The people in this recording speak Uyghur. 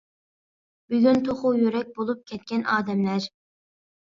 بۈگۈن توخۇ يۈرەك بولۇپ كەتكەن ئادەملەر.